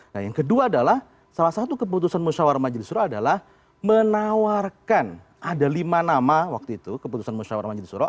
nah yang kedua adalah salah satu keputusan musyawara majlisuro adalah menawarkan ada lima nama waktu itu keputusan musyawara majlisuro